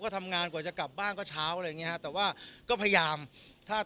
ทำงานกว่าจะกลับบ้านก็เช้าอะไรอย่างเงี้ฮะแต่ว่าก็พยายามถ้า